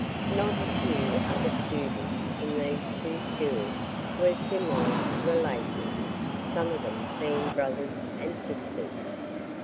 Not a few other students in these two schools were similarly related, some of them being brothers and sisters.